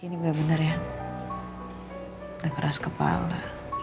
ini bener ya udah keras kepala